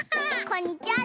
こんにちは！